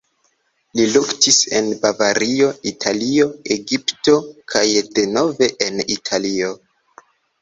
Li luktis en Bavario, Italio, Egipto kaj denove en Italio.